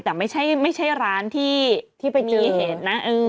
แต่ไม่ใช่ร้านที่ติดไปเจอ